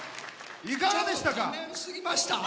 いかがでしたか？